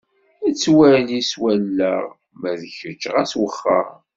Nettwali s wallaɣ, ma d kečč ɣas wexxeṛ.